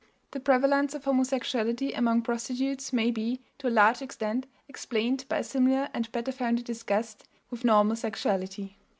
The prevalence of homosexuality among prostitutes may be, to a large extent, explained by a similar and better founded disgust with normal sexuality.